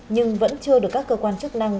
nhưng vẫn chưa được các cơ quan chức năng